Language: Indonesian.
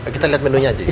kita lihat menunya aja